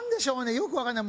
よくわかんない。